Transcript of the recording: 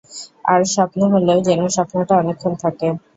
আর স্বপ্ন হলেও যেন স্বপ্নটা অনেকক্ষণ থাকে।